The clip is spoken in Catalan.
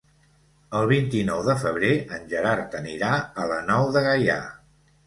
El vint-i-nou de febrer en Gerard anirà a la Nou de Gaià.